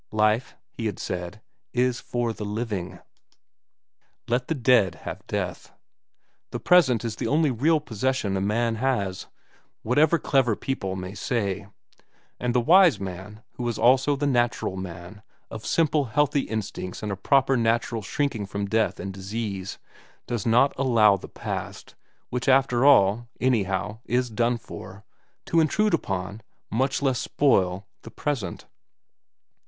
Life, he had said, is for the living ; let the dead have death. The present is the only real possession a man has, whatever clever people may say; and the wise man, who is also the natural man of simple healthy instincts and a proper natural shrinking from death and disease, does not allow the past, which after all anyhow is done for, to intrude upon, much less spoil, the present.